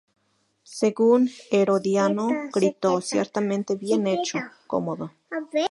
Según Herodiano, gritó: "Ciertamente bien hecho, Cómodo.